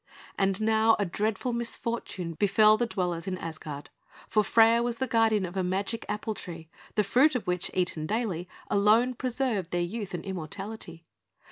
And now, a dreadful misfortune befell the dwellers in Asgard; for Freia was the guardian of a magic apple tree, the fruit of which, eaten daily, alone preserved their youth and immortality.